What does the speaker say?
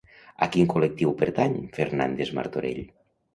A quin col·lectiu pertany Fernández-Martorell?